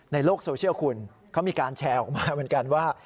ในโลกโซเชียลคุณเขามีการแชร์ออกมาเหมือนกันว่า